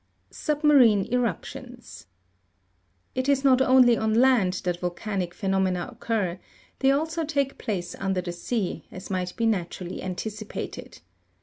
12. Submarine eruptions. It is not only on land that volcanic phenomena occur ; they also take place under the sea, as might be naturally anticipated.